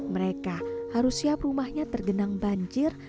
mereka harus siap rumahnya tergenang banjir